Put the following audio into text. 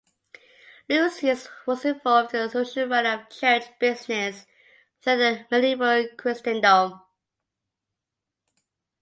Lucius was involved in the usual running of church business throughout medieval Christendom.